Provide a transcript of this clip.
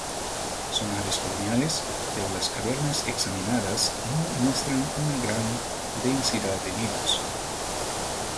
Son aves coloniales, pero las cavernas examinadas no muestran una gran densidad de nidos.